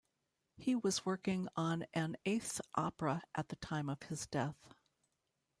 He was working on an eighth opera at the time of his death.